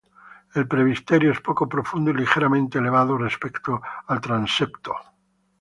El presbiterio es poco profundo y ligeramente elevado, respecto al transepto.